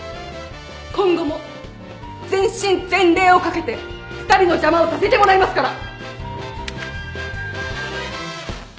今後も全身全霊をかけて２人の邪魔をさせてもらいますから！